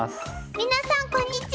皆さんこんにちは。